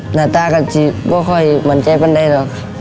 หน้าตากันจริงก็ค่อยมั่นใจไม่ได้หรอก